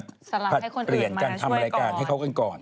สลักให้คนอื่นมาช่วยก่อนทำรายการให้เขากันก่อน